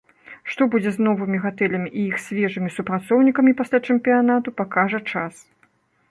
Што будзе з новымі гатэлямі і іх свежымі супрацоўнікамі пасля чэмпіянату, пакажа час.